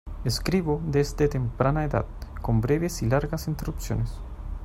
Escribo desde temprana edad, con breves y largas interrupciones.